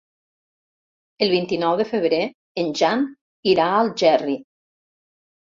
El vint-i-nou de febrer en Jan irà a Algerri.